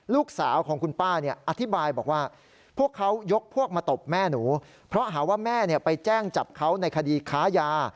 ลูกสาวของคุณป้าเนี่ย